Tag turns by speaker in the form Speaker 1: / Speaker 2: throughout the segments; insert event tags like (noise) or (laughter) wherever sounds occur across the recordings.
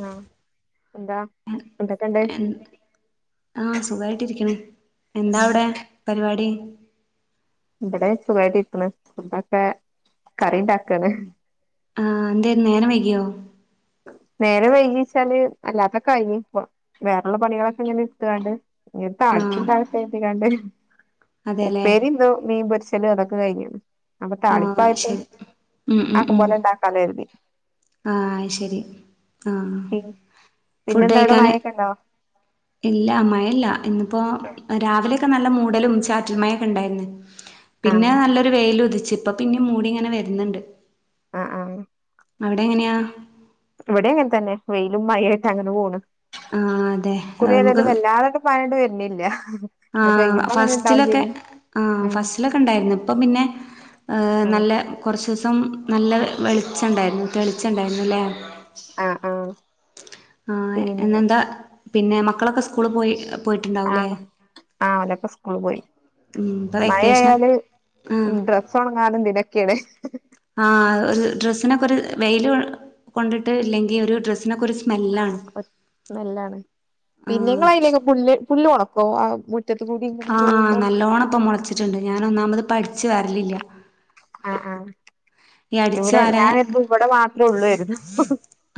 Speaker 1: ആഹ് എന്താ എന്തൊക്കെണ്ട്
Speaker 2: അത് എന്ത്‌ സുഖായിട്ടിരിക്ക്ണ്
Speaker 1: ഉം
Speaker 2: എന്താവ്ടെ പരിപാടി
Speaker 1: ഇബ്ടെ സുഖായിട്ട് ഇരിക്ക്ണ് ഫുഡോക്കെ കറി ഇണ്ടാക്കാണ്
Speaker 2: ആഹ് എന്തേന്ന് നേരം വൈക്യോ
Speaker 1: നേരം വൈകിച്ചാല് അല്ലാത്തൊക്കായീനി പൊർ വേറള്ള പണികളൊക്കെ ഇങ്ങനെ ഇട്ത്താണ്ട് ഇഞ്ഞ്
Speaker 2: ആഹ്
Speaker 1: താളിപ്പ്ണ്ടാക്കട്ടെര്തിക്കാണ്ട്
Speaker 2: അതെല്ലേ
Speaker 1: ഉപ്പേരിം മീൻ പൊരിച്ചലും അതൊക്കെ കഴിഞ്ഞ്ണ് അപ്പൊ
Speaker 2: ആഹ്
Speaker 1: തളിപ്പായപ്പോ
Speaker 2: ശരി ഉം ഉം
Speaker 1: ആക്കം
Speaker 2: ഉം
Speaker 1: പോലെ ഇണ്ടാക്കാലോര്തി
Speaker 2: ആഹ് അത് ശരി ആഹ് ഫുഡായിക്കാന്
Speaker 1: ക്കണ്ടോ
Speaker 2: ഇല്ല മഴല്ല ഇന്നിപ്പോ രാവിലെയൊക്കെ നല്ല മൂടലും ചാറ്റല് മഴൊക്കെണ്ടായിര്ന്ന് പിന്നെ
Speaker 1: ആഹ്
Speaker 2: നല്ലൊരു വെയില് ഉതിച്ച് ഇപ്പ പിന്നിം മൂടിങ്ങനെ വര്ന്ന്ണ്ട്
Speaker 1: ആഹ് ആഹ്
Speaker 2: അവിടെങ്ങന്യാ
Speaker 1: ഇവിടെ അങ്ങനെ തന്നെ വെയിലും മയായിട്ട് അങ്ങനെ പോണ്
Speaker 2: ആഹ് അതെ
Speaker 1: ഇക്കുറി ഏതാലും
Speaker 2: നമുക്ക്
Speaker 1: വല്ലാതാ മഴാണ്ട് വര്ന്ല്ല ഇന്നാ
Speaker 2: ആഹ്
Speaker 1: പെയ്യുമ്പം അങ്ങനെ ഇണ്ടാവും
Speaker 2: ഫസ്റ്റിലൊക്കെ
Speaker 1: ചെയ്യും
Speaker 2: ആഹ്
Speaker 1: ഉം
Speaker 2: ഫസ്റ്റിലൊക്കെ ഇണ്ടായിരുന്നു ഇപ്പം പിന്നെ ഏ
Speaker 1: ആഹ്
Speaker 2: നല്ല കൊറച്ചൂസം നല്ല വെളിച്ചണ്ടായിരുന്നു തെളിച്ചണ്ടായിന്നുലേ
Speaker 1: ആഹ് ആഹ്
Speaker 2: ആഹ്
Speaker 1: പിന്നെ
Speaker 2: ഇന്നെന്താ പിന്നെ മക്കളൊക്കെ സ്കൂള് പോയി പോയിട്ടുണ്ടാവു
Speaker 1: ആഹ്
Speaker 2: ലേ
Speaker 1: ആഹ് ഓലൊക്കെ സ്കൂള് പോയി
Speaker 2: ഇപ്പൊ വെക്കേഷന്
Speaker 1: മഴയായാല്
Speaker 2: ആഹ്
Speaker 1: ഡ്രസ് സ്സോണങ്ങനും ഇതിനൊക്ക്യാണെ
Speaker 2: ആഹ് ഒരു ഡ്രസ്സിനെക്കൊര് വെയില് കൊണ്ടിട്ട് ഇല്ലെങ്കി ഒരു ഡ്രസ്സിനൊക്കൊര്
Speaker 1: ആഹ് (unintelligible) നല്ലാ ആണ് പിന്നെ
Speaker 2: ആഹ്
Speaker 1: ഇങ്ങളെ അയിലൊക്കെ പുല്ല് പുല്ല് മൊളക്കോ ആ മുറ്റ് റ്റെത്ത് കൂടി ഇങ്ങനെ വോവുമ്പം
Speaker 2: ഓണം ഇപ്പം മൊൾച്ച് ച്ച് ഇണ്ട് ഞാൻ ഒന്നാമെത് ഇപ്പം അട്ച്ച് വാരെൽ ഇല്ലാ
Speaker 1: ആഹ് ആഹ്
Speaker 2: ഈ അടിച്ചു
Speaker 1: ഇവടെ ഞാ
Speaker 2: വാരാൻ
Speaker 1: കെര്തും ഇവടെ മാത്രം ഉള്ളു കെര്തും.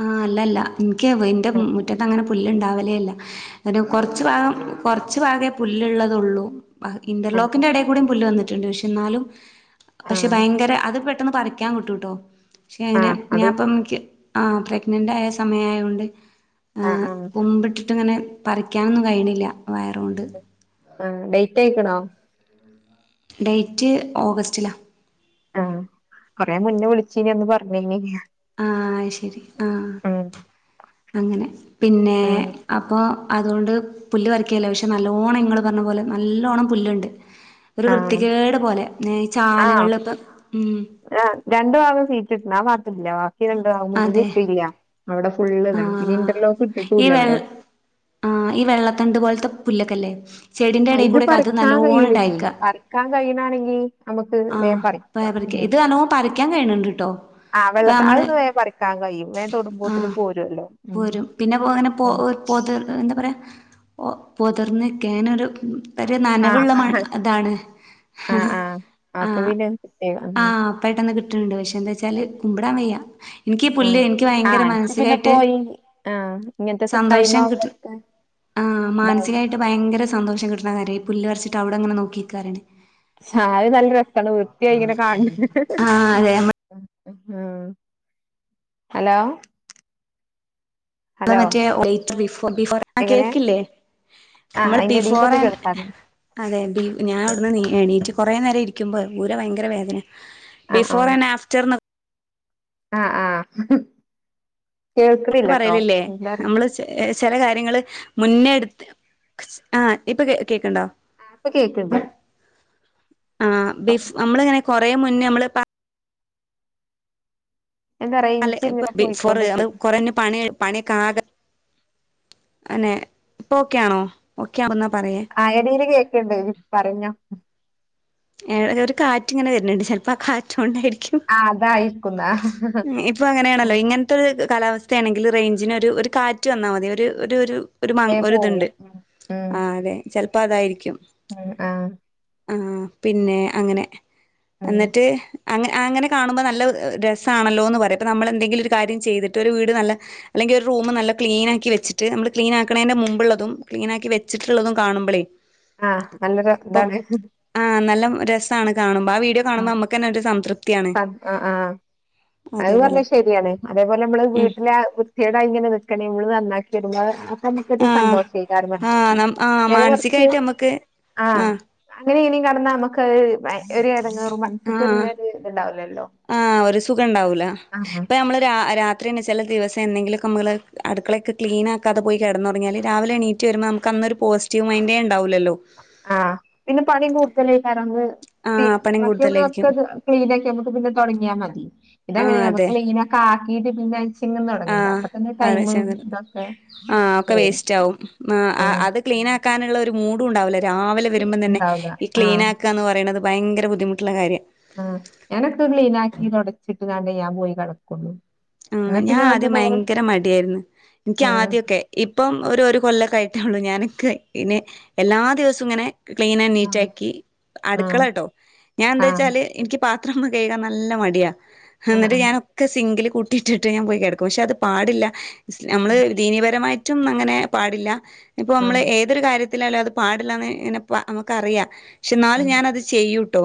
Speaker 2: ആഹ് അല്ല അല്ലാ ഇൻക്കെയ് ഇന്റെ മുറ്റെത്ത് അങ്ങനെ പുല്ല് ഇണ്ടാവലെ ഇല്ല ഇന്നെട്ട് കൊർച്ച് ഭാഗം കൊർച്ച് ഭാഗെ പുല്ല് ഇള്ളെത് ഒള്ളു ബാക്കി ഇന്റെർ
Speaker 1: ആഹ് ആഹ്
Speaker 2: ലോക്കിന്റെ അയുടെ കൂടിം പുല്ല് വന്ന്ട്ട് ഇണ്ട് പക്ഷെ ഇന്നാലും പക്ഷെ
Speaker 1: ആഹ്
Speaker 2: ഭയങ്കര അത് പെട്ടെന്ന് പറിക്കാൻ കിട്ടും ട്ടോ പക്ഷെ അങ്ങനെ
Speaker 1: ആഹ് അത്
Speaker 2: ഞാ ഇപ്പം ക്ക് ആഹ് പ്രെഗ്നെന്റ് ആയ സമയം ആയോണ്ട്
Speaker 1: ആഹ്
Speaker 2: ഏഹ്
Speaker 1: ആഹ്
Speaker 2: കുമ്പ് ഇട്ട്ട്ട് ഇങ്ങനെ പറിക്കാനൊന്നും കയ്യ്ണ് ഇല്ലാ വയറോണ്ട്
Speaker 1: ഏഹ് ഡെയ്റ്റ് അയ്ക്ക്ണോ?
Speaker 2: ഡെയ്റ്റ് ഓഗസ്റ്റിലാ
Speaker 1: ആഹ് കൊറെ മുന്നെ വുൾച്ചിനി അന്ന് പർണിനി
Speaker 2: ആഹ് അഹ് ശരി ആഹ് അങ്ങനെ പിന്നെ
Speaker 1: ഉം
Speaker 2: അപ്പൊ അതോണ്ട് പുല്ല് പറിക്കെൽ ഇല്ലാ പക്ഷെ നല്ലോണ്ണം ഇങ്ങെൾ പർണ പോലെ നല്ലോണം പുല്ല് ഇണ്ട്. ഒര്
Speaker 1: ആഹ്
Speaker 2: വൃത്തികേട് പോലെ ന്നെ ഈ ചാൽകൾൽ ഇപ്പം ഉം
Speaker 1: ആഹ് രണ്ട് ഭാഗം സീറ്റ് ഇട്ട്ന് ആ ഭാത്ത് ഇല്ലാ ബാക്കി രണ്ട് ഭാഗും മുന്ന്ൽ
Speaker 2: അതെ
Speaker 1: ഇട്ടിഇല്ലാ അയുടെ ഫുള്ള് ഇതാണ് പിന്നെ
Speaker 2: ആഹ്
Speaker 1: ഇന്റർലോക്ക് ഇട്ട്ട്ടും
Speaker 2: ഈ
Speaker 1: ഇല്ല
Speaker 2: വെൾ
Speaker 1: ഇവടെ
Speaker 2: ആഹ് ഈ വെള്ളത്തണ്ട് പോൽത്തെ പുല്ല് ഒക്കെ ഇല്ലെ ചെടിന്റെ എടെക്കൂടെയൊക്കെ അത് നല്ലോണം ഇണ്ടായെക്കാ
Speaker 1: ക്കാൻ കയ്യ്ണാണെങ്കി
Speaker 2: ആഹ് പ്പയെ പറിക്കെ ഇത് നല്ലോം പറിക്കാൻ കയ്യ്ണ്‌ ഇണ്ട്ട്ടോ
Speaker 1: ആഹ് വെള്ള ത അഹ് വേം പറിക്കാൻ കഴിയും വേം തൊടുംമ്പോത്തിന്
Speaker 2: ആഹ്
Speaker 1: പോരൊല്ലോ ഉം
Speaker 2: പോരും പിന്നെ ഇപ്പ അങ്ങനെ പൊ പൊത്ർന്ന് എന്താ പറയാ പൊ പൊതിർന്ന്ക്കെ അങ്ങനെ ഒരു ഒര് നനവ്
Speaker 1: ആഹ്
Speaker 2: ഇള്ള മണ് ഇതാണ്
Speaker 1: അപ്പ
Speaker 2: ആഹ്
Speaker 1: പിന്നെ കിട്ടൊയ്
Speaker 2: ആഹ് പെട്ടെന്ന് കിട്ട് ഇണ്ട് പക്ഷേ എന്താച്ചാൽ കുമ്പ് ഇടാൻ വെയ്യാ ഇൻക്ക് ഈ പുല്ല്
Speaker 1: ആഹ്
Speaker 2: ഇൻക്ക്
Speaker 1: ആഹ്
Speaker 2: ഭയങ്കര
Speaker 1: അനക്ക് പിന്നെ
Speaker 2: മാനസികായിട്ട്
Speaker 1: പോയി ആഹ് ഇങ്ങെൻത്തെ ഒക്കെ ടൈം
Speaker 2: സന്തോഷം
Speaker 1: ആവുമ്പം
Speaker 2: കിട്ടും
Speaker 1: ഇട്ക്കാൻ
Speaker 2: ആഹ് മാനസികായിട്ട് ഭയങ്കര സന്തോഷം കിട്ട്ണ കാര്യാ ഈ പുല്ല് പർച്ച്ട്ട്‌ അയുടെ ഇങ്ങനെ നോക്കിക്കാ പറിണെ
Speaker 1: ആഹ് അഹ് നല്ല രസാണ് വൃത്തിയായി ഇങ്ങനെ കാൺണെ.
Speaker 2: ആഹ് അതെ നമ്മള്
Speaker 1: അതാണ് ആഹ് ഹലോ
Speaker 2: നമ്മളെ
Speaker 1: ഹലോ
Speaker 2: മറ്റെ (unintelligible) ബിഫോർ ബിഫോർ ആ
Speaker 1: എങ്ങനെ
Speaker 2: കേക്ക് ഇല്ലെ?
Speaker 1: ആഹ്
Speaker 2: നമ്മെൾ
Speaker 1: അയിന്റെ
Speaker 2: ബിഫോർ
Speaker 1: എടീലൊന്നും
Speaker 2: ആൻഡ്
Speaker 1: കേൾക്കാതെ
Speaker 2: അതെ ബി ഞാ അയുട്ന്ന് എണീറ്റ് കുറെ നേരം ഇരിക്കുമ്പോ ഊര ഭയങ്കര വേദനെ
Speaker 1: ആഹ്
Speaker 2: ബിഫോർ
Speaker 1: ആഹ്
Speaker 2: ആൻറ് ആഫ്റ്റെർ ന്നൊ
Speaker 1: ആഹ് ആഹ് കേൾക്ക്ണ് ഇല്ലട്ടോ എന്താറി
Speaker 2: ചെ ചെലെ കാര്യങ്ങെൾ മുന്നെ എട്ത്ത് ആ ഇപ്പ കേ കേക്ക് ഇണ്ടോ?
Speaker 1: ആഹ് ഇപ്പ കേക്ക് ഇണ്ട്.
Speaker 2: ആഹ് ബിഫ് അമ്മെൾ ഇങ്ങനെ കൊറെ മുന്നെ ഞമ്മെൾ പ
Speaker 1: എന്താ
Speaker 2: അല്ലെയ്
Speaker 1: റേഞ്ച്
Speaker 2: ഇപ്പ
Speaker 1: ഇങ്ങനെ
Speaker 2: ബിഫോർ അത്
Speaker 1: പോയിക്കൊണ്ടിരിക്കുന്നു
Speaker 2: കൊറെ ഇന്റെ പണി കഴി പണി ഒക്കെ ആകെ അന്നെ ഇപ്പ ഓക്കെ ആണോ? ഓക്കെ ആവുമ്പം ഇന്നാ പറയെ
Speaker 1: ആഹ് എടെൽ കേക്ക്ണ്ട് ഇജ് പറഞ്ഞോ
Speaker 2: ഏഹ് ഒര് ഒര് കാറ്റ് ഇങ്ങനെ വെര്ൺ ഇണ്ട് ചിൽപ്പോ ആ കാറ്റോണ്ടായിരിക്കും
Speaker 1: ആ അതായിരിക്കുന്ന
Speaker 2: ഉം ഇപ്പം അങ്ങനെ ആണല്ലോ ഇങ്ങെൻ ത്ത് ഒരു കാലാവസ്ഥയാണെങ്കിൽ റെയ്ഞ്ച്നൊരു ഒരു കാറ്റ് വന്നാ മതി ഒരു ഒരു ഒരു ഒര്
Speaker 1: വേ
Speaker 2: മാങ് ഒര് ഇത്
Speaker 1: പോകും
Speaker 2: ഇണ്ട് ആഹ് അതെ ചെൽപ്പോ അതായിരിക്കും
Speaker 1: അഹ് ആഹ്
Speaker 2: ആഹ് പിന്നെ അങ്ങനെ
Speaker 1: ഉം
Speaker 2: എന്ന്റ്റ് അങ്ങനെ അങ്ങനെ കാണുമ്പം നല്ല എഹ് രസാണല്ലോന്ന് പറിയാ ഇപ്പ നമ്മെൾ എന്തെങ്കിലും ഒര് കാര്യം ചെയ്തിട്ട് ഒരു വീട് നല്ല അല്ലെങ്കി ഒര് റൂമ് നല്ല ക്ലീനാക്കി വെച്ച്ട്ട് ഞമ്മെൾ ക്ലീനാക്ക്ണെയിന്റെ മുമ്പ് ഇള്ളെതും ക്ലീനാക്കി വെച്ച്ട്ട് ഇള്ളതും കാണുമ്പളെയ്
Speaker 1: ആഹ് നല്ല രസ് ഇതാണ്
Speaker 2: ആഹ് നല്ല ഉം രസാണ് കാണുമ്പം ആ വീഡിയോ കാണുമ്പം അമ്മക്കെന്നെ ഒര് സംതൃപ്തിയാണ്
Speaker 1: സ- ആ ആ. അത് പറഞ്ഞ
Speaker 2: അതേപോലെ
Speaker 1: ശരിയാണ് അതേപോലെ നമ്മള്
Speaker 2: ഉം
Speaker 1: വീട്ടിലെ കേടായിരിക്കണത് നമ്മള് നന്നാക്കി വരുമ്പോ അപ്പൊ നമ്മക്കൊരു
Speaker 2: ആഹ് ആഹ്
Speaker 1: സന്തോഷമായി
Speaker 2: നം ആഹ്
Speaker 1: നേരെ മറിച്ചു
Speaker 2: മാനസികായിട്ട് നമ്മക്ക്
Speaker 1: ആ
Speaker 2: ആഹ്
Speaker 1: അങ്ങനെ ഇനിയും കെടന്നാ നമുക്ക് ഒരു എടങ്ങേറും മനസ്സ്‌ക്കൊരു ഇത്ണ്ടാവില്ലല്ലോ
Speaker 2: ആ ഒരു സുഖം ഉണ്ടാവൂല ഇപ്പൊ നമ്മള് രാത്രിണീച്ചാല് ദിവസെന്നെങ്കിലൊക്കെ നമ്മള് അടുക്കളൊക്കെ ക്ലീനാക്കാതെ പോയി കിടന്നോറങ്ങിയാല് രാവിലെണീ വരുമ്പോ നമുക്കന്നൊരു പോസിറ്റീവ് മൈൻഡേണ്ടാവില്ലല്ലോ
Speaker 1: ആ പിന്നെ പണിയും കൂടുതലയിക്കാരന്ന്‌
Speaker 2: ആഹ് പണിയും
Speaker 1: ബാക്കി
Speaker 2: കൂടുതലായിരിക്കും
Speaker 1: നമ്മക്കത് ക്ലീൻ ആക്കി നമുക്ക് പിന്നെ തുടങ്ങിയാൽ മതി
Speaker 2: ആഹ്
Speaker 1: ഇതങ്ങനെയല്ല നമ്മക്ക്
Speaker 2: അതെ
Speaker 1: ക്ലീൻ ക്കാക്കിട്ട് പിന്നെ തുടങ്ങണ്ടേ
Speaker 2: ആഹ്
Speaker 1: അപ്പത്തന്നെ
Speaker 2: ആടെ
Speaker 1: ടൈം
Speaker 2: ചെന്നിട്ട്
Speaker 1: ഇതൊക്കെ പോവും
Speaker 2: ക്ലീനാക്കാനുള്ള ഒരു മൂഡും ഉണ്ടാവില്ലോ രാവിലെ വരുമ്പോം തന്നെ
Speaker 1: ഉണ്ടാവൂല
Speaker 2: ഈ ക്ലീൻ
Speaker 1: ആഹ്
Speaker 2: ആക്ക് എന്ന് പറയണത് ഭയങ്കര ബുദ്ധിമുട്ടുള്ള കാര്യം
Speaker 1: ആ ഞാനൊക്കെ ക്ലീനാക്കി തുടച്ചിട്ട് കാണ്ടേ ഞാൻ പോയി കെടക്കുള്ളു
Speaker 2: ആ ഞാൻ ആദ്യം ഭയങ്കര മടിയായിരുന്നു നിക്ക്
Speaker 1: ആഹ്
Speaker 2: ആദ്യൊക്കെ ഇപ്പം ഒരു ഒരു കൊല്ലക്കെ ആയിട്ടേ ഉള്ളൂ ഞാനക്ക് ഇനി എല്ലാ ദിവസവുങ്ങനെ ക്ലീൻ ആൻഡ്
Speaker 1: ആഹ്
Speaker 2: നീറ്റാക്കി അടുക്കള
Speaker 1: ആഹ്
Speaker 2: കേട്ടോ ഞാൻ എന്താ
Speaker 1: ആഹ്
Speaker 2: വെച്ചാല് എനിക്ക് പാത്രം ഒന്ന് കഴുകാ നല്ല മടിയാ ന്ട്ട്
Speaker 1: ആഹ്
Speaker 2: ഞാനൊക്കെ സിങ്കില് കൂ ട്ട ഇട്ടിട്ട് ഞാൻ പോയി കിടക്കും പക്ഷെ അത് പാടില്ല നമ്മള്
Speaker 1: ആഹ്
Speaker 2: ദീനീപരമായി മ അങ്ങനെ പാടില്ല ഇപ്പ നമ്മള്.
Speaker 1: ആഹ്
Speaker 2: തൊരു കാര്യത്തിലായാലും അത് പാടില്ലന്ന് ഇങ്ങനെപ്പ നമുക്കറിയാ പക്ഷെ എന്നാലും
Speaker 1: ആഹ്
Speaker 2: ഞാൻത് ചെയ്യൂട്ടോ.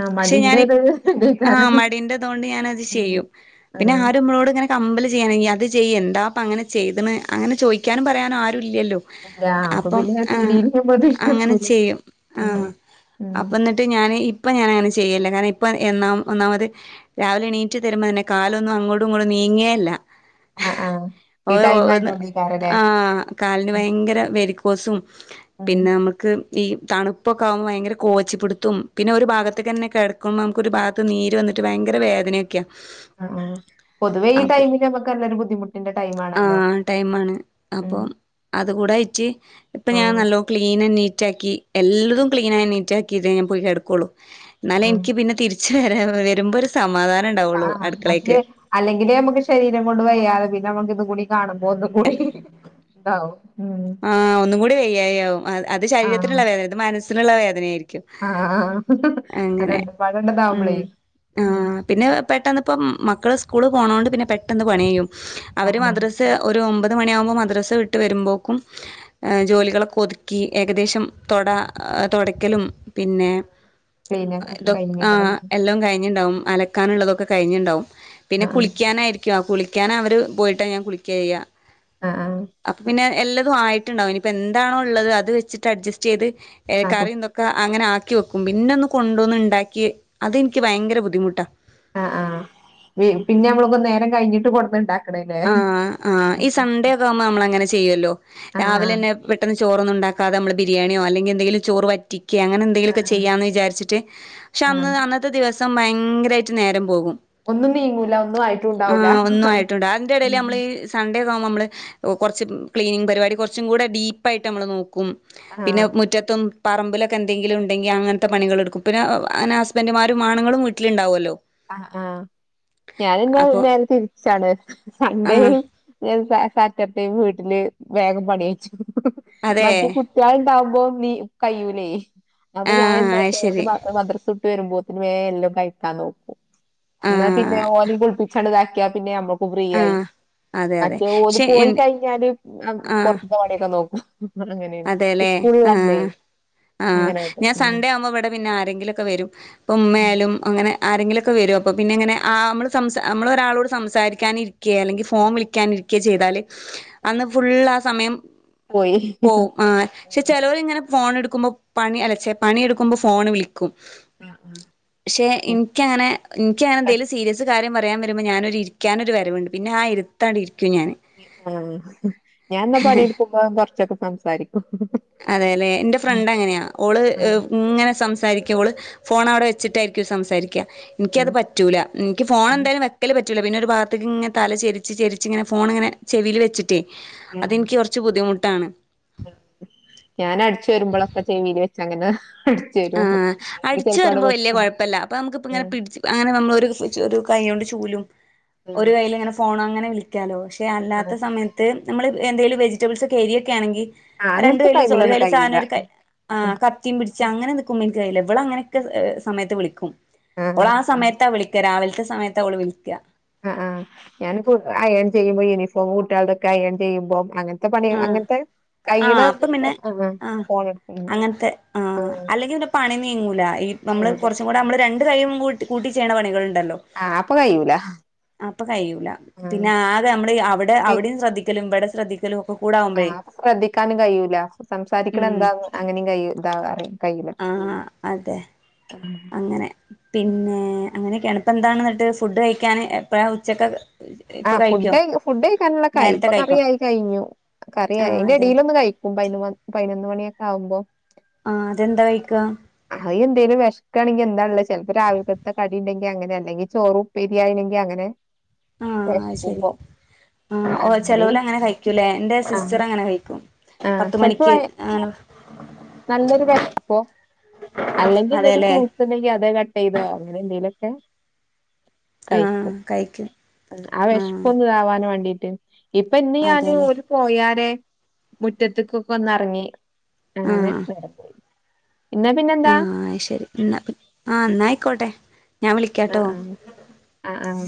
Speaker 1: ആഹ്
Speaker 2: പക്ഷെ ഞാൻ
Speaker 1: മടിന്റെത്
Speaker 2: ആ്
Speaker 1: ഇതേക്കാരം
Speaker 2: മടിന്റെതൊണ്ട് ഞനത്
Speaker 1: ആഹ്
Speaker 2: ചെയ്യും പിന്നെ
Speaker 1: ആഹ്
Speaker 2: ആരും. നമ്മളോട് ഇങ്ങനെ കമ്പല് ചെയ്യനിങ്ങിഎന്താ അപ്പ അങ്ങനെ ചെയ്ത് ണ് അങ്ങനെ ചോയ്ക്കാനും പറയാനും ആരും ഇല്ലല്ലോ.
Speaker 1: ഇല്ല അപ്പൊ
Speaker 2: അപ്പം
Speaker 1: പിന്നെ
Speaker 2: ആ
Speaker 1: തിരിയുമ്പോത്തിന്
Speaker 2: അങ്ങനെ
Speaker 1: നിക്കൂല
Speaker 2: ചെയ്യും ആ
Speaker 1: ഉം ഉം
Speaker 2: അപ്പന്നിട്ട് ട്ട് ഇപ്പൊ ഞാന് ഇപ്പം ഞാനങ്ങനെ ചെയ്യലില്ല കാരണം ഇപ്പ ഒന്നാമത്. രാവിലെ നീറ്റ് വരുമ്പോന്നെ കാലൊന്നും അങ്ങോട്ടും ഇങ്ങോട്ടും നീങ്ങേയേല്ല.
Speaker 1: ആഹ് ആഹ് ഈ ടൈം
Speaker 2: ഓന്ന്
Speaker 1: ആയതോണ്ടേക്കാരല്ലേ
Speaker 2: ആഹ. കാലിന് ഭയങ്കര വരിക്കോസും
Speaker 1: ഉം
Speaker 2: പിന്നെ നമ് ക്ക് ഈ തണുപ്പൊക്കെആകുമ്പോൾ ഭയങ്കര കോച്ചിപുട്ത്തും പിന്നെ ഒരു ഭാഗത്ക്കന്നെ കിട ആക്ക് നമുക്കൊ ഒരു ഭാഗത്ത്നീര് വന്നിട്ട് ഭയങ്കര വേദനയൊക്കെയാ.
Speaker 1: ആ ആ പൊതുവെ ഈ
Speaker 2: അപ്പൊ
Speaker 1: ടൈമില് നമക്ക് നല്ലരു ബുദ്ധിമുട്ടിന്റെ ടൈംമാണല്ലോ.
Speaker 2: ആഹ് ടൈമാണ് അപ്പം അത് കടെ ഇട്ട് ഇപ്പ ഞാൻ
Speaker 1: ആഹ്
Speaker 2: നല്ലോ ക്ലീൻ ആൻഡ് നീറ്റ ആക്കി. എല്ലതും ക്ലീന ആയി നീറ്റ് ആക്കിയിറ്റെ ഞാൻ പോയി കെടക്കോളൂ എന്നാലെ
Speaker 1: ആഹ്
Speaker 2: എനിക്ക് പിന്നെ തിരിച്ച് വരാ വരുമ്പോര് സമാധാനം ഉണ്ടാവുള്ളൂ
Speaker 1: ആഹ്
Speaker 2: അട്ക്കളേക്ക്.
Speaker 1: മറ്റേ അല്ലെങ്കിലേ നമുക്ക് ശരീരം കൊണ്ട് വയ്യാതെ പിന്നെ നമ്മുക്ക് ഇതും കൂടി കാണുമ്പോ ഒന്നും കൂടി. താആവും ഉം.
Speaker 2: ആ ഒന്നും കൂടി വയ്യായിയാകും അത് ശരീരത്തിനുള്ള വേദന ഇത് മനസ്സിനുള്ള വേദനയായിരിക്കും.
Speaker 1: ആഹ
Speaker 2: അങ്ങനെ
Speaker 1: രണ്ട് പാടെ താവുമ്പളേ
Speaker 2: ഉം
Speaker 1: ഉം.
Speaker 2: ആഹ് പിന്നെ പെട്ടെന്ന്പ്പം മക്കള് സ്കൂള് പോണോണ്ട് പിന്നെ പെട്ടെന്ന് പണി ചെയ്യും അവർ
Speaker 1: ആഹ്
Speaker 2: മദ്രസ് സ് ഒമ്പത് മണിയാവുമ്പോൾ മദ്രസ വിട്ട് വരുമ്പോൾക്കും. ജോലികളൊക്കെ ഒതുക്കി ഏകദേശം തൊട തൊടക്കലും. പിന്നെ.
Speaker 1: ക്ലീന ഒക്കെ
Speaker 2: ഇതൊ ആ
Speaker 1: കഴിഞ്ഞിണ്ടാവും
Speaker 2: എല്ലാം കഴിഞ്ണ്ടാവും അലക്കാനുള്ളതൊക്കെ കഴിഞ്ണ്ടാവും. പിന്നെ
Speaker 1: ആഹ്
Speaker 2: കുളിക്കാനായിരിക്കും കുളിക്കാന അവർ പോയിട്ട് ഞാൻ കുളിക്ക ചെയ്യാ
Speaker 1: ആഹ് ആഹ്
Speaker 2: അപ്പൊ പിന്നെ. എല്ലതും ആയിട്ടുണ്ടാവും ഇനിപ്പൊ എന്താണോ ഉള്ളത് അത് വെച്ചിട്ട് അഡ്ജസ്റ്റ് ചെയ്ത്
Speaker 1: ആഹ്
Speaker 2: കറിന്ത അങ്ങനെ ആക്കി വെക്കും പിന്നെ ഒന്ന് കൊണ്ടോന്ന് ഉണ്ടാക്കി അതിന്ക്ക് ഭയങ്കര ബുദ്ധിമുട്ടാ.
Speaker 1: ആ ആ പിന്നെ നമ്മള് നേരം കഴിഞ്ഞിട്ട് കൊടുന്ന്ണ്ടാ
Speaker 2: ആഹ ആ ഈ സൺഡേ ഒക്കെ ആകുംമ്പോ നമ്മള അങ്ങനെ ചെയ്യല്ലോ
Speaker 1: ആഹ് ആഹ്
Speaker 2: രാവിലെന്നെ. ചോറൊന്നും ഉണ്ടാക്കാെ അല്ലങ്കി എന്തെങ്കിലും ചോറ് വറ്റി കെ അങ്ങനെ എന്തെങ്കിലോക്കെ
Speaker 1: ആഹ്
Speaker 2: ചെയ്യാ ന്ന് വിചാര്ച്ട്ട് പക്ഷെ
Speaker 1: ആഹ്
Speaker 2: അന്ന് അ ദിവസം ഭയങ്കരയിട്ട് നേരം പോകും.
Speaker 1: ഒന്നും നീങ്ങൂല ഒന്നും ആയിട്ടും ഉണ്ടാവൂല.
Speaker 2: (unintelligible)
Speaker 1: ഉം
Speaker 2: നമ്മള്. സൺഡേ ആകുമ്പോ നമ്മള് കുറച്ച് ക്ലീനിങ് പരിപാടി കുറച്ചും കൂടെ ഡീപ്പായിട്ട് നമ്മൾ നോക്കും. പിന്നെ
Speaker 1: ആഹ്
Speaker 2: മുറ്റത്തും. പറമ്പിലൊക്കെ എന്തെങ്കിലും ഇണ്ടെങ്കിൽ അങ്ങനത്തെ പണികൾ എടുക്കും അങ്ങനെ ഹസ്ബന്ഡുമാരും ആണുങ്ങളും വീട്ടിലുണ്ടാവൊല്ലോ.
Speaker 1: ആ ആഹ ഞാനന്നാ
Speaker 2: അപ്പൊ
Speaker 1: നേരെ തിരിച്ചാണ് സൺഡേ
Speaker 2: ആഹ്
Speaker 1: ഞാൻ സാറ്റർടെ യും വീട്ടില് വേഗം പണികെയിച്ചും
Speaker 2: അതെ
Speaker 1: മറ്റെ കു ണ്ടാവുമ്പോ നീ കയ്യൂലേ അപ്പൊ ഞാൻ
Speaker 2: ആഹ്
Speaker 1: എന്താട്ടും ഓല്
Speaker 2: അയ്ശരി
Speaker 1: മദ്രവി വരുമ്പോതിന് വേ എല്ലാം കഴിക്കാൻ നോക്കും ന്നാ പിന്നെ
Speaker 2: ആഹ്
Speaker 1: ഓലിം കുളിപ്പിചാണ്ട് ഇതാക്കിയ പിന്നെ നമ്മ ഫ്രീ ആയി
Speaker 2: ആഹ് അതെ അതെ
Speaker 1: മറ്റേ ഓല്
Speaker 2: പക്ഷെ
Speaker 1: പോയി കഴിഞ്ഞാല് പോർത്ത്തെ പണിയൊക്കെ നോക്കും. അങ്ങനെയാണ്
Speaker 2: അതെല്ലേ ആഹ.
Speaker 1: സ്കൂളിള്ളന്നേ
Speaker 2: ആഹ്
Speaker 1: അങ്ങനായിട്ട്
Speaker 2: ഞാൻ
Speaker 1: ഉം
Speaker 2: സൺഡേ ആവുമ്പോ ഇവിടെ പിന്നെ ആരെങ്കിലും ഒക്കെ വരും ഇപ്പ ഉമ്മായാലും. അങ്ങനെ ആരെങ്കിലുംഒക്കെ വരും അപ്പൊ പിന്നെങ്ങനെ നമ്മള് സംസ നമ്മള് ഒരാളോട് സംസാരിക്കാന് ഇ അല്ലെങ്കിൽ ഫോം വിളിക്കാനിരികെ ചെയ്താല് അന്ന് ഫുള് ആ സമയം.
Speaker 1: പോയി
Speaker 2: പോവും ആ ക്ഷെ ചിചേലൊര് ഇങ്ങനെ ഫോൺ എടുക്കുമ്പോചെ പണിഎടുക്കുമ്പോ അലച്ചേ പണിയെടുക്കുമ്പോൾ ഫോണ് വിളിക്കും.
Speaker 1: ആഹ് ആഹ്
Speaker 2: ക്കും പക്ഷെ ഇൻക്കങ്ങനെ ഇൻക്കങ്ങനെ എന്തേലും സീരിയസ് കാര്യം പറയാൻ വരുമ്പോൾ ഞാനൊരു ഇരിക്കാനൊരു വരവുണ്ട് പിന്നെ ആ ഇരുത്തണ്ട് ഇരിക്കും ഞാന്
Speaker 1: ആഹ് ഞാൻ ന്നാ പണിയെടുക്കുമ്പോ കുറച്ചൊക്കെ സംസാരിക്കും
Speaker 2: അതേല്ലെ എന്റെ
Speaker 1: ആഹ്
Speaker 2: ഫ്രണ്ട് അങ്ങനെയാ ഓള്
Speaker 1: ആഹ്
Speaker 2: ഇങ്ങനെ സംസാരി ഫോൺ അവിടെ വെച്ചിട്ടായിരിക്കും സംസാരിക്കുക എനിക്കത് പറ്റൂല ഇൻക്ക് ഫോൺ
Speaker 1: ആഹ്
Speaker 2: എന്തായാലും (inaudible) പറ്റൂല പിന്നെ ഒരു ഭാഗത്ത ക്കിങ്ങനെ തല ചെരിച്ച് ചെരിച്ച് ഇങ്ങെനെ ഫോൺ ഇങ്ങനെ ചെവിയിൽ വച്ചിട്ട്
Speaker 1: ആഹ്
Speaker 2: അതനിക്ക് കൊർ കുറച്ചു ബുദ്ധിമുട്ടാണ്
Speaker 1: ഞാൻ അടിച്ചു രുമ്പോഴൊക്കെ ചെവില് വെച്ച അങ്ങനെ. അടിച്ചു
Speaker 2: ആ
Speaker 1: വരും അല്ലെങ്കിൽ
Speaker 2: അടിച്ച്
Speaker 1: ചെലപ്പോ അവിടെ
Speaker 2: ഓരുമ്പോ വലിയ
Speaker 1: വെക്കും
Speaker 2: കുഴപ്പല്ല അപ്പൊ നമുക്ക് ഇപ്പ ഇങ്ങനെ
Speaker 1: ആഹ്
Speaker 2: പിടിച്ച്. അങ്ങനെ നമ്മള് ഒരു കൈ കൊണ്ട് ചൂലും ഒരു
Speaker 1: ആഹ്
Speaker 2: കൈയിൽ ഇങ്ങനെ ഫോണും അങ്ങനെ വി ളിക്കാലോ പക്ഷെ അല്ലാത്ത
Speaker 1: ആഹ്
Speaker 2: സമയത്ത് നമ്മള് എന്തെലും വെജിറ്റബിൾസ് യൊക്കെ അരിയൊക്കെ യാണെങ്കിൽ
Speaker 1: ആഹ്
Speaker 2: രണ്ടു
Speaker 1: അങ്ങനത്തെ
Speaker 2: കയ്യിലും (unintelligible) ഒരു
Speaker 1: ടൈമിലൊന്നും
Speaker 2: കയ്യിൽ
Speaker 1: കഴിയൂല
Speaker 2: സാധനടുക്കാൻ ആ കത്തിയും പിടിച്ച് അങ്ങനെ നിക്കുമ്പോയൊക്കെ കഴിയില്ല ഇവള ങ്ങനൊക്കെ സമയത്ത് വിളിക്കും
Speaker 1: ആഹ്
Speaker 2: ഓൾ ആ സമയത്താ വിളിക്കാ രാവിലത്തെ സമയത്താ ഓള് വിളിക്കാ
Speaker 1: അ ആ ഞാൻ പ്പൊ അയൺ ചെയ്യുമ്പോ യൂണിഫോം കുട്ടികളുടെയൊക്കെ അയ്യൺ ചെയ്യുമ്പോ അങ്ങനെ (unintelligible) പണി അങ്ങനത്തെ
Speaker 2: അ ആ
Speaker 1: കയ്യണ
Speaker 2: അപ്പൊ പിന്നെ
Speaker 1: ആഹ്
Speaker 2: ആ
Speaker 1: ഫോൺ എടുക്കും
Speaker 2: അങ്ങനത്തെ ആ
Speaker 1: ആഹ്
Speaker 2: അല്ലെങ്കിൽ പണി നീങ്ങൂലാ ഈ നമ്മൾ
Speaker 1: കഴിയൂല
Speaker 2: കുറച്ചും കൂടെ നമ്മൾ രണ്ട് കൈയ്യും കൂ കൂട്ടി ചെയ്യ്ണ പണികളുണ്ടല്ലോ
Speaker 1: ആഹ് അപ്പൊ കയിയൂല
Speaker 2: അപ്പൊ കയ്യൂല പിന്നെ ആകെ നമ്മള് അവിടെ അവിടിം ശ്രദ്ധിക്കലും ഇവിടിം ശ്രദ്ധിക്കലും ഒക്കെ കൂടെ ആവുമ്പോഴേ
Speaker 1: ആഹ് അ ശ്രദ്ധിക്കാനും കയ്യൂല സംസാരിക്കണ
Speaker 2: ഉം
Speaker 1: എന്താന്ന് അങ്ങനെയും (unintelligible) കയിയൂല
Speaker 2: അ ആ അതെ
Speaker 1: (unintelligible)
Speaker 2: അങ്ങനെ പിന്നെ അങ്ങനെയൊക്കെയാണ് ഇപ്പ എന്താണ് എന്നിട്ട് ഫുഡ് കഴിക്കാൻ എപ്പയാ ഉച്ചക്കാ
Speaker 1: ആ ഫുഡ് ഫുഡ് കഴിക്കാനുള്ളതൊക്കെ യായി
Speaker 2: നേരത്തെ
Speaker 1: ഇപ്പൊ കറി
Speaker 2: കഴിക്കോ
Speaker 1: ആയി കഴിഞ്ഞു കറിയായി
Speaker 2: ആഹ്
Speaker 1: അതിന്റെ
Speaker 2: അതെ
Speaker 1: ഇടിലൊന്ന് കഴ്ഞ്ഞു (unintelligible) പതിനൊന്ന് മണിയൊക്കെ ആകുമ്പോ
Speaker 2: ആഹ് അതെന്താ കഴിക്ക
Speaker 1: അഹ് അത്‌ എന്തേലും വിശക്കാണെങ്കിൽ എന്താണ്ള്ളത് ചെൽപ്പോ രാവിലക്കത്തെ കടി ഇൻണ്ടെങ്കിൽ അങ്ങനെ അല്ലെങ്കിൽ ചോറും ആയെങ്കിൽ അങ്ങനെ വെശ്ക്കുമ്പോ
Speaker 2: ആ ഓ ചെലോൽ അങ്ങനെ കഴിക്കൂലേ എന്റെ
Speaker 1: ആഹ്
Speaker 2: സിസ്റ്റർ അങ്ങനെ കഴിക്കും
Speaker 1: ആഹ്
Speaker 2: പത്ത്
Speaker 1: ചെലപ്പോ
Speaker 2: മണിക്ക് ആണ്
Speaker 1: നല്ലൊരു വെശപ്പോ അല്ലെങ്കിൽ എന്തെങ്കിലും
Speaker 2: അതെല്ലേ
Speaker 1: ഫ്രൂ ട്സ് ൻകിൽ അത്‌ കട്ട് ചെയ്തോ അങ്ങനെ എന്തെങ്കിലുമൊക്കെ
Speaker 2: ആഹ്
Speaker 1: കഴിക്കും
Speaker 2: കഴിക്കും
Speaker 1: ആ
Speaker 2: ആഹ്
Speaker 1: വിശപ്പൊന്ന് ഇതാവാൻ വേണ്ടിട്ട് ഇപ്പൊ ഇന്ന് ഞാന്
Speaker 2: അതെല്ലേ
Speaker 1: ഓര് പോയാരെ മുറ്റത്ത്ക്ക്ക്കൊക്കെ ഒന്ന് ഇറങ്ങി അങ്ങനെ നേരം പോയി ഇന്നാ
Speaker 2: ആ
Speaker 1: പിന്നെന്താ
Speaker 2: ഹാ ശരി എന്നാ ആഹ ന്നായിക്കോട്ടെ
Speaker 1: അ ആഹ് ആഹ